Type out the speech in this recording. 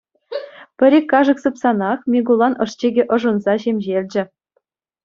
Пӗр-ик кашӑк сыпсанах, Микулан ӑшчикӗ ӑшӑнса ҫемҫелчӗ.